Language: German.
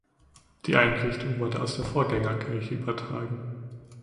Die Einrichtung wurde aus der Vorgängerkirche übertragen.